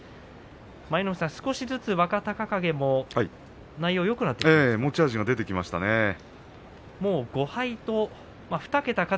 舞の海さん、少しずつ若隆景内容よくなってきましたか。